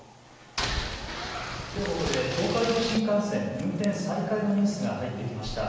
ここで東海道新幹線運転再開のニュースが入ってきました。